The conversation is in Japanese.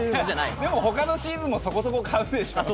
でも他のシーズンもそこそこ買うでしょ。